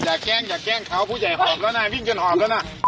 อยากแกล้งอยากแกล้งเขาผู้ใหญ่หอบแล้วน่ะ